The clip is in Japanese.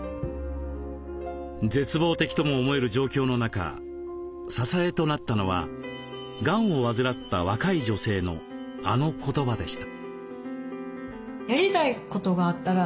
絶望的とも思える状況の中支えとなったのはがんを患った若い女性のあの言葉でした。